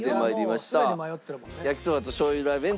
焼きそばとしょう油ラーメン